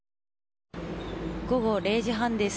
午後０時半です。